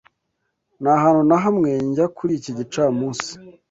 Nta hantu na hamwe njya kuri iki gicamunsi.